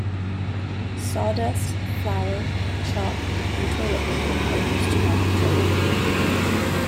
Sawdust, flour, chalk, and toilet paper are used to mark the trail.